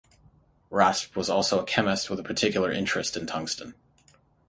Raspe was also a chemist with a particular interest in tungsten.